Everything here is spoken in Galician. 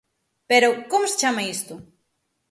Pero, ¿como se chama isto?